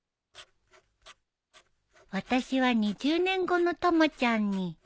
［私は２０年後のたまちゃんに］